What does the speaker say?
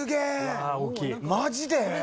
マジで？